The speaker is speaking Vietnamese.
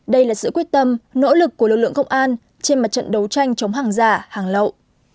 đây là sự quyết tâm nỗ lực của lực lượng công an trên mặt trận đấu tranh chống hàng giả hàng lậu